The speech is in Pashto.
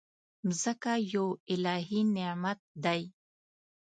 مځکه یو الهي نعمت دی.